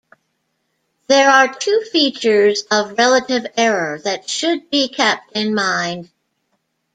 There are two features of relative error that should be kept in mind.